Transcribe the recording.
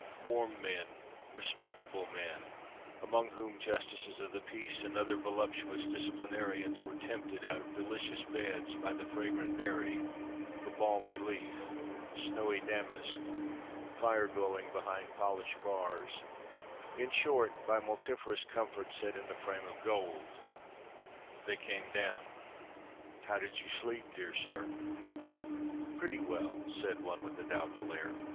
Warm men, respectable men, among whom justices of the peace and other voluptuous disciplinarians, were tempted out of delicious beds by the fragrant berry, the balmy leaf, snowy damask, fire glowing behind polished bars in short, by multifarious comfort set in a frame of gold. They came down. "How did you sleep, dear sir?" "Pretty well," said one with a doubtful air.